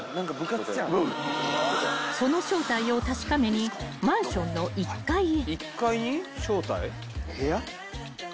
［その正体を確かめにマンションの１階へ］